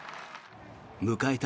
迎えた